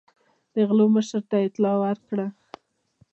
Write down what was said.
د غلو مشر ته اطلاع ورکړه.